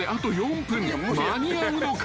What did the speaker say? ［間に合うのか］